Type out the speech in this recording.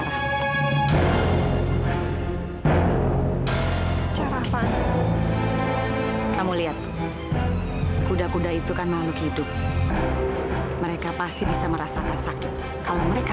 sampai jumpa di video selanjutnya